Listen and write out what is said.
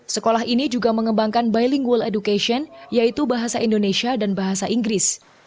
sekolah ini juga mengembangkan bilingual education yaitu bahasa indonesia dan bahasa inggris